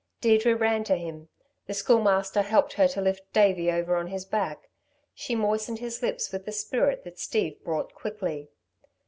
Deirdre ran to him. The Schoolmaster helped her to lift Davey over on his back. She moistened his lips with the spirit that Steve brought quickly.